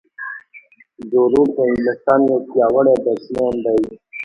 جو روټ د انګلستان یو پیاوړی بیټسمېن دئ.